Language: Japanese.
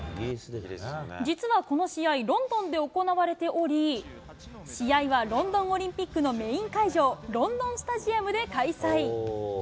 実はこの試合、ロンドンで行われており、試合はロンドンオリンピックのメイン会場、ロンドン・スタジアムで開催。